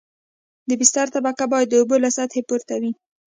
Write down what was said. د بستر طبقه باید د اوبو له سطحې پورته وي